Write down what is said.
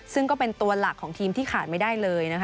ซึ่งก็เป็นตัวหลักของทีมที่ขาดไม่ได้เลยนะคะ